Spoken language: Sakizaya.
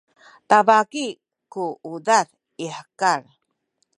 tabaki ku udad i hekal